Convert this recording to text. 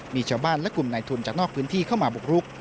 มีชาวบ้านและกลุ่มนายทุนจากนอกพื้นที่เข้ามาบุกรุก